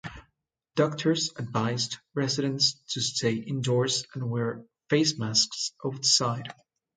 Doctors advised residents to stay indoors and wear facemasks outside.